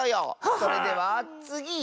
それではつぎ！